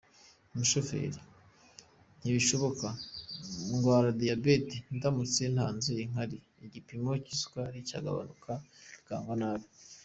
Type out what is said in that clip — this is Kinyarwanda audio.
Umushoferi : “Ntibishoboka ! Ndwara diyabete ndamutse ntanze inkari igipimo cy’isukari cyagabanuka bikangwa nabi.